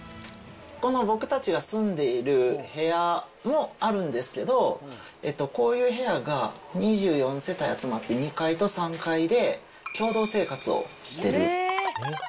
この僕たちが住んでいる部屋もあるんですけど、こういう部屋が２４世帯集まって、２階と３階で共同生活をしてる。